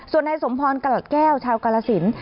ส่วนในสมพรณ์กระแก้วชาวกรสิน